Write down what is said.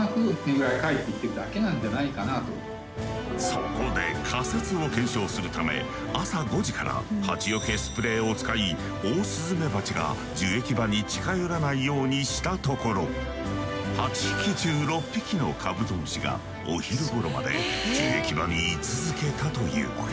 そこで仮説を検証するため朝５時からハチよけスプレーを使いオオスズメバチが樹液場に近寄らないようにしたところ８匹中６匹のカブトムシがお昼ごろまで樹液場に居続けたという。